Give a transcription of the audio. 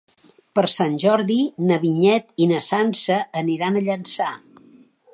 Per Sant Jordi na Vinyet i na Sança aniran a Llançà.